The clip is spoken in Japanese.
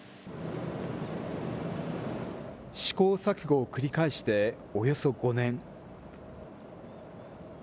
試行錯誤を繰り返しておよそ５年。